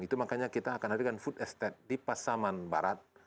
itu makanya kita akan adakan food estate di pasaman barat